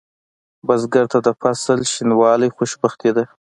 بزګر ته د فصل شینوالی خوشبختي ده